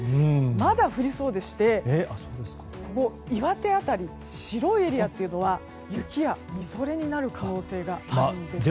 まだ降りそうでして岩手辺りの白いエリアというのは雪やみぞれになる可能性があるんです。